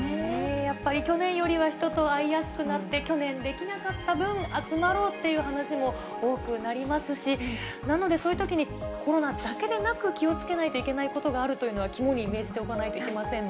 やっぱり去年よりは人と会いやすくなって、去年できなかった分、集まろうっていう話も多くなりますし、なので、そういうときにコロナだけでなく気をつけないといけないことがあるというのは肝に銘じておかないといけませんね。